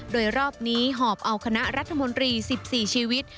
โดยรอบนี้หอบเอาคณะรัฐมนตรี๑๔ชีวิต